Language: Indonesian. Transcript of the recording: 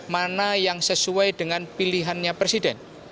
mana yang sesuai dengan pilihannya presiden